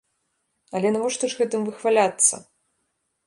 Але навошта ж гэтым выхваляцца?